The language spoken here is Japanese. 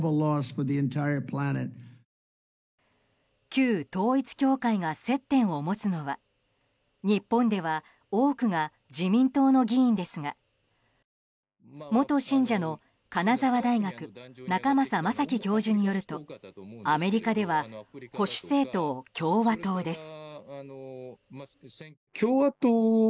旧統一教会が接点を持つのは日本では多くが自民党の議員ですが元信者の金沢大学仲正昌樹教授によるとアメリカでは保守政党・共和党です。